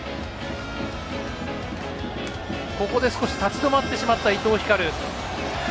ここで少し立ち止まってしまった伊藤光。